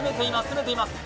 攻めています